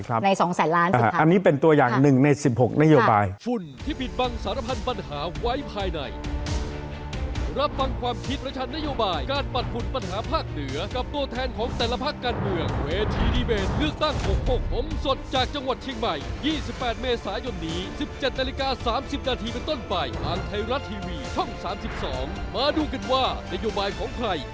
อันนี้คือหนึ่งในสิบหกถูกไหมฮะใช่ครับในสองแสนล้านอันนี้เป็นตัวอย่างหนึ่งในสิบหกนโยบายค่ะ